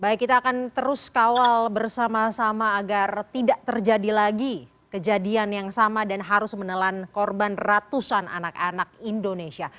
baik kita akan terus kawal bersama sama agar tidak terjadi lagi kejadian yang sama dan harus menelan korban ratusan anak anak indonesia